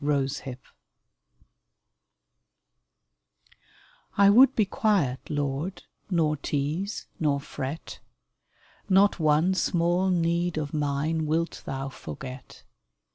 QUIETNESS I WOULD be quiet, Lord, Nor tease, nor fret ; Not one small need of mine Wilt Thou forget.